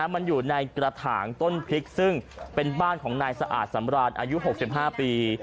มันอยู่ในกระถางต้นพริกซึ่งเป็นบ้านของนายสะอาดสำราญอายุ๖๕ปี